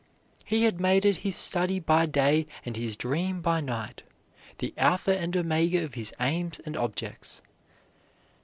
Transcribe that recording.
He had made it his study by day and his dream by night, the alpha and omega of his aims and objects.